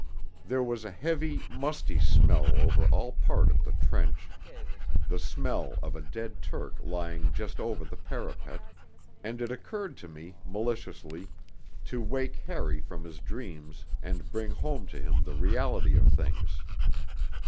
There was a heavy, musty smell over all this part of the trench, the smell of a dead Turk lying just over the parapet, and it occurred to me, maliciously, to wake Harry from his dreams, and bring home to him the reality of things.